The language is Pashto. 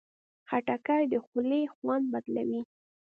خټکی د خولې خوند بدلوي.